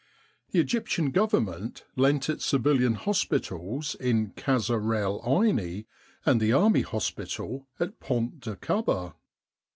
The Egyptian Government lent its civilian hospitals in Kasr el Aini and the Army hospital at Pont de Koubbeh.